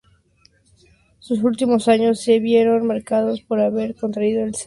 Sus últimos años se vieron marcados por haber contraído el sida.